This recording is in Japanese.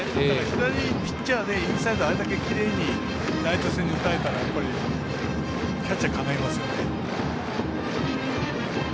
左ピッチャーでインサイドあれだけきれいにライト線に打たれたらやっぱりキャッチャー考えますよね。